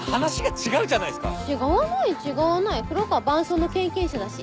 違わない違わない黒川伴走の経験者だし。